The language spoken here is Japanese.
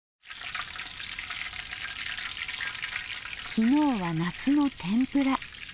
昨日は夏の天ぷら。